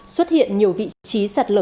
xuất hiện nhiều vị trí sạt lở